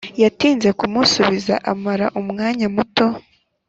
Yatinze kumusubiza amara umwanya muto